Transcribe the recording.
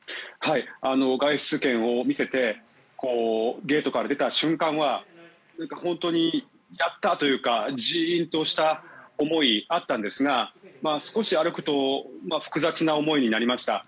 外出券を見せてゲートから出た瞬間は本当に、やった！というかジーンとした思いがあったんですが少し歩くと複雑な思いになりました。